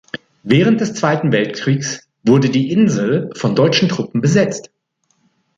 Während des Zweiten Weltkriegs wurde die Insel von deutschen Truppen besetzt.